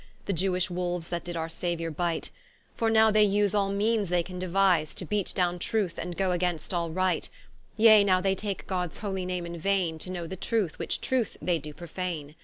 The Iewish wolues, that did our Sauiour bite; For now they vse all meanes they can deuise, To beate downe truth, and goe against all right: Yea now they take Gods holy name in vaine, To know the truth, which truth they doe prophane.